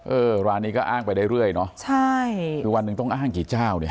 ร้านนี้ก็อ้างไปเรื่อยเรื่อยเนอะใช่คือวันหนึ่งต้องอ้างกี่เจ้าเนี่ย